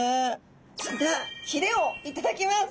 それではひれを頂きます。